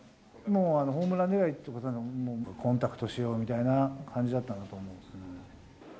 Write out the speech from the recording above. もう、ホームラン狙いということではなく、コンタクトしようみたいな感じだったんだと思いますけどね。